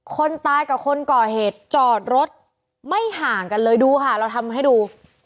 คนตายกับคนก่อเหตุจอดรถไม่ห่างกันเลยดูค่ะเราทำให้ดู